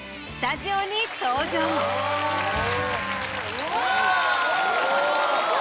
うわ！